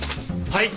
はい！